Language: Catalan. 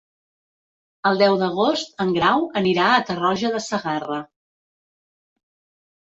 El deu d'agost en Grau anirà a Tarroja de Segarra.